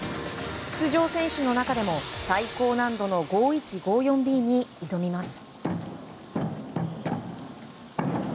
出場選手の中でも最高難度の５１５４Ｂに挑みます。